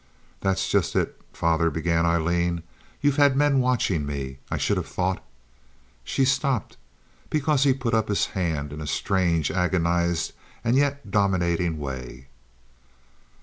"That's just it, father," began Aileen. "You've had men watching me. I should have thought—" She stopped, because he put up his hand in a strange, agonized, and yet dominating way.